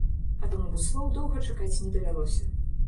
А таму буслоў доўга чакаць не давялося.